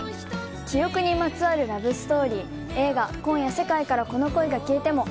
記憶にまつわるラブストーリー映画「今夜、世界からこの恋が消えても」